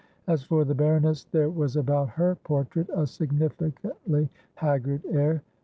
As for the baroness, there was about her portrait a significantly haggard air.